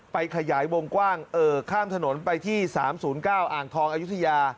ขยายวงกว้างข้ามถนนไปที่๓๐๙อ่างทองอายุทยา